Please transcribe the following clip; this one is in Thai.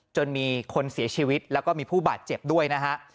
จนมีคนเสียชีวิตแล้วก็มีผู้บาดเจ็บด้วยนะฮะ